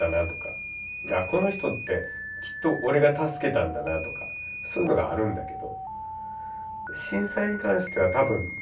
この人ってきっと俺が助けたんだなとかそういうのがあるんだけど。